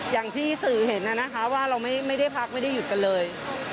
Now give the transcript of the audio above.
อย่างที่สื่อเห็นน่ะนะคะว่าเราไม่ได้พักไม่ได้หยุดกันเลย